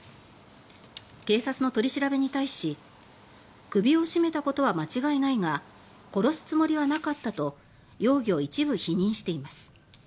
警察の取り調べに対し「首を絞めたことは間違いないが殺すつもりはなかった」と容疑を一部否認しています。